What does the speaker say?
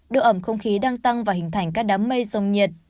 độ ẩm không khí đang tăng và hình thành các đám mây rông nhiệt